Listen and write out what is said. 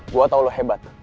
gue tau lo hebat